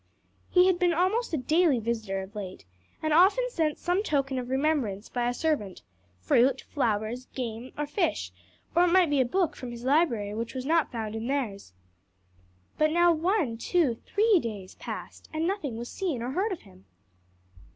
He had been an almost daily visitor of late, and often sent some token of remembrance by a servant fruit, flowers, game or fish, or it might be a book from his library which was not found in theirs. But now one, two, three days passed and nothing was seen or heard of him.